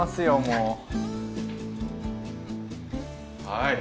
はい。